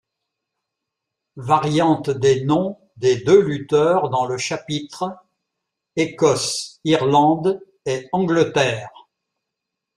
Variantes des noms des deux lutteurs dans le chapitre: Écoße, Irlande et Angleterre.